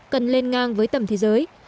cần lên ngang với tầm thế giới